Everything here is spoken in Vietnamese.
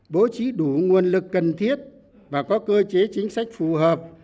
bố trí đủ nguồn lực cần thiết và có cơ chế chính sách phù hợp